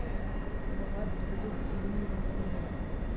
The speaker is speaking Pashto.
د بغاوت په قضیو کې کورونه زندانونه وو.